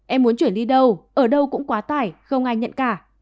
em muốn chuyển đi đâu ở đâu cũng quá tải không ai nhận cả